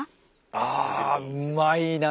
あうまいな。